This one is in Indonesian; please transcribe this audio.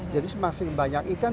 jadi semakin banyak ikan